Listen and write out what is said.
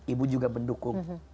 ibu juga mendukung